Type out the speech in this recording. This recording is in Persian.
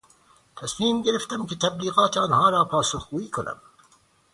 تصمیم گرفتیم که تبلیغات آنها را پاسخگویی کنیم.